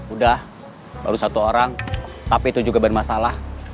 udah baru satu orang tapi itu juga ban masalah